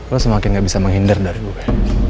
lo semakin gak bisa menghindar dari gue